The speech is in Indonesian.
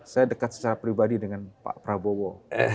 saya dekat secara pribadi dengan pak prabowo